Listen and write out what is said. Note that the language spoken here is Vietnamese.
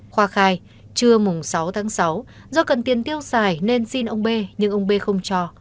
khoa khai trưa sáu tháng sáu do cần tiền tiêu xài nên xin ông b nhưng ông b không cho